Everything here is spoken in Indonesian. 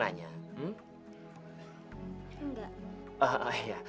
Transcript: memangnya selama ini bapak gak pernah nanya